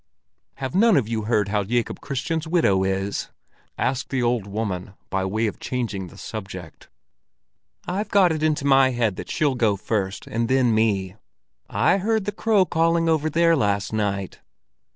"Have none of you heard how Jacob Kristian's widow is?" asked the old lady by way of changing the subject. "I've got it into my head that she'll go first, and then me. I heard the crow calling over there last night."